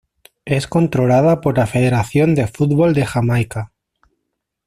Es controlada por la Federación de Fútbol de Jamaica.